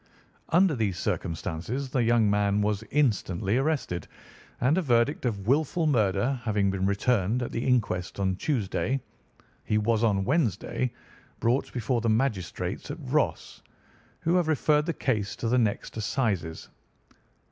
Under these circumstances the young man was instantly arrested, and a verdict of 'wilful murder' having been returned at the inquest on Tuesday, he was on Wednesday brought before the magistrates at Ross, who have referred the case to the next Assizes.